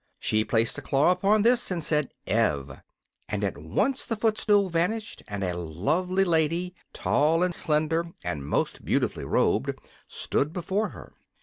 She placed a claw upon this and said "Ev," and at once the footstool vanished and a lovely lady, tall and slender and most beautifully robed, stood before her.